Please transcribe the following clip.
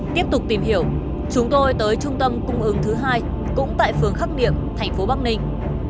tiếp tục tìm hiểu chúng tôi tới trung tâm cung ứng thứ hai cũng tại phường khắc niệm thành phố bắc ninh